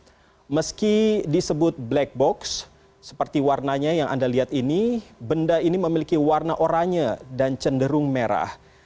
tapi meski disebut black box seperti warnanya yang anda lihat ini benda ini memiliki warna oranye dan cenderung merah